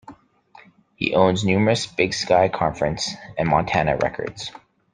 He owns numerous Big Sky Conference and Montana records.